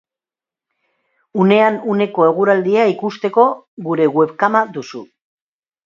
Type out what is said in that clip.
Unean uneko eguraldia ikusteko, gure webkama duzu.